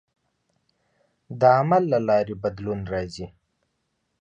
د عمل له لارې بدلون راځي.